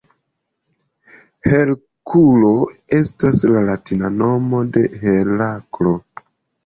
Herkulo estas la latina nomo de Heraklo.